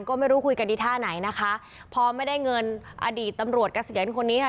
ก็ไม่รู้คุยกันที่ท่าไหนนะคะพอไม่ได้เงินอดีตตำรวจเกษียณคนนี้ค่ะ